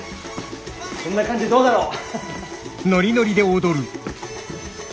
こんな感じでどうだろう？